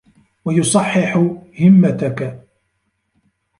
وَيُصَحِّحُ هِمَّتَك